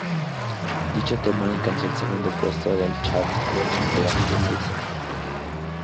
Dicho tema alcanzó el segundo puesto del chart alemán durante seis semanas.